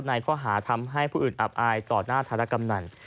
ในข้อหาทำให้ผู้อื่นอับอายต่อหน้าธารกำนัน